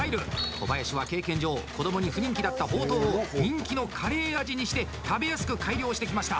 小林は経験上子どもに不人気だったほうとうを人気のカレー味にして食べやすく改良してきました。